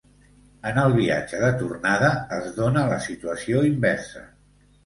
En el viatge de tornada, es dóna la situació inversa.